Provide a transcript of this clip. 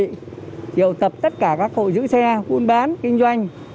để triệu tập tất cả các hội giữ xe buôn bán kinh doanh